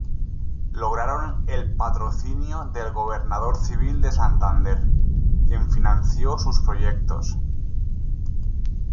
Lograron el patrocinio del gobernador civil de Santander, quien financió sus proyectos.